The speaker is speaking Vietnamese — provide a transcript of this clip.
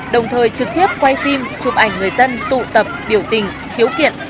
đồng thời trực tiếp quay phim chụp ảnh người dân tụ tập biểu tình khiếu kiện